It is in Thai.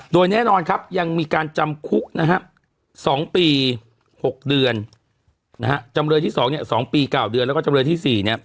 ๖เดือนนะฮะจำเลยที่๒เนี่ย๒ปี๙เดือนแล้วก็จำเลยที่๔เนี่ย